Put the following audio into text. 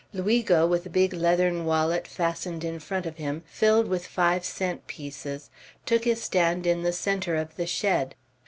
Luigo, with a big leathern wallet fastened in front of him, filled with five cent pieces, took his stand in the centre of the shed.